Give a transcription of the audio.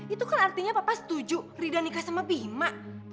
itu kan artinya papa setuju rida nikah sama bima